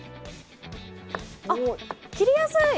あっ切りやすい！